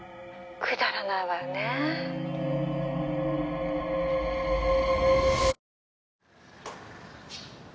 「くだらないわよねえ」